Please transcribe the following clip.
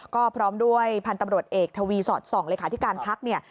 ก็พร้อมด้วยพันธ์ตำรวจเอกทวีสรรค์๒ริขาธิการภักดิ์